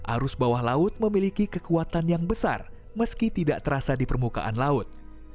arus bawah laut memiliki kekuatan yang besar meski tidak terasa di permukaan laut